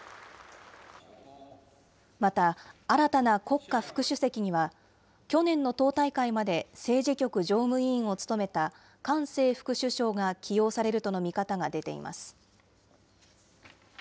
また、新たな国家副主席には、去年の党大会まで政治局常務委員を務めた韓正副首相が起用されるとの見方が出ています。